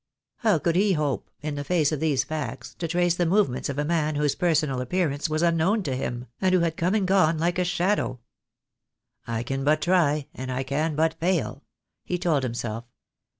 How could he hope, in the face of these facts, to trace the movements of a man whose personal appearance was unknown to him, and who had come and gone like a shadow? "I can but try, and I can but fail," he told himself.